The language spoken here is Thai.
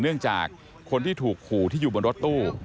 เนื่องจากคนที่ถูกขู่ที่อยู่บนรถตู้